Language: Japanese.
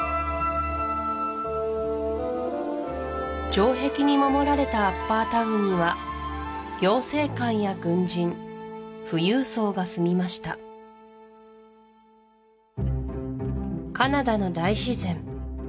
城壁に守られたアッパータウンには行政官や軍人富裕層が住みましたカナダの大自然